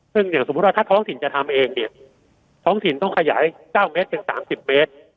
ซึ่งอย่างสมมุติว่าถ้าท้องถิ่นจะทำเองเนี่ยท้องถิ่นต้องขยาย๙เมตรถึง๓๐เมตร